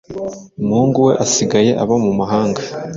Umuhungu we asigaye aba mumahanga